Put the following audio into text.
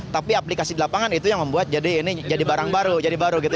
tapi aplikasi di lapangan itu yang membuat jadi ini jadi barang baru jadi baru gitu